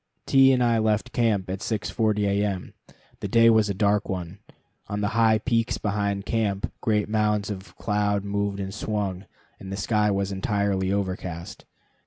T and I left camp at 6.40 A. M. The day was a dark one. On the high peaks behind camp great mounds of cloud moved and swung, and the sky was entirely overcast.